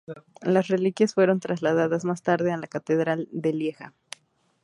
Las reliquias fueron trasladadas más tarde a la Catedral de Lieja.